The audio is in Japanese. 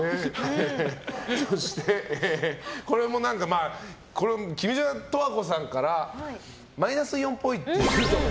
そして、これも君島十和子さんからマイナスイオンっぽいって。